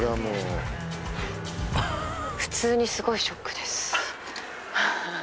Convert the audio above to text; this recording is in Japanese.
普通にすごいショックです